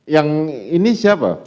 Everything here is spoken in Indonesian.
yang ini siapa